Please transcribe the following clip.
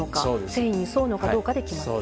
繊維に沿うのかどうかで決まって。